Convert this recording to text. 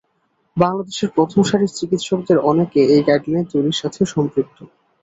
বাংলাদেশের প্রথম সারির চিকিৎসকদের অনেকে এই গাইডলাইন তৈরির সাথে সম্পৃক্ত।